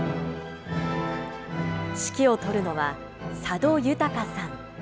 指揮を執るのは佐渡裕さん。